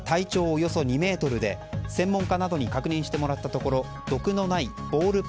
およそ２ｍで専門家などに確認してもらったところ毒のないボール